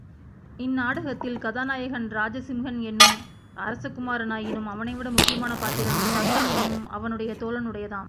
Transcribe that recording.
இந்நாடகத்தில் கதாநாயகன் ராஜஸிம்ஹன் எனும் அரசகுமாரனாயினும், அவனைவிட முக்கியமான பாத்திரம் தத்தன் என்னும் அவனுடைய தோழனுடையதாம்.